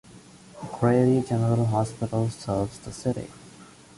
Grady General Hospital serves the city.